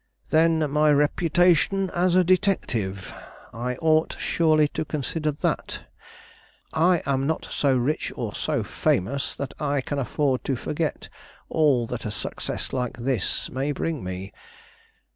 "Then my reputation as a detective! I ought surely to consider that. I am not so rich or so famous that I can afford to forget all that a success like this may bring me.